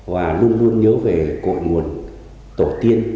và luôn luôn nhớ về cội nguồn tổ tiên